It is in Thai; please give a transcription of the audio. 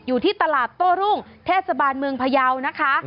อยู่ที่ตลาดโต้รุ่งเทศบาลเมืองพยาวนะคะ